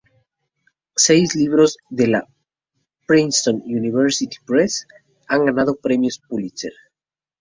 Seis libros de la "Princeton University Press" han ganado el Premio Pulitzer.